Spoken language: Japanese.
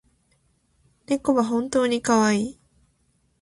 猫は本当にかわいい